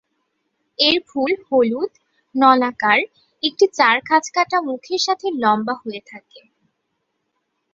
এর ফুল হলুদ, নলাকার, একটি চার খাঁজকাটা মুখের সাথে লম্বা হয়ে থাকে।